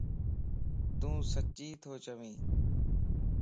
تون سچي تي چوين؟